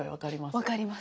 分かります。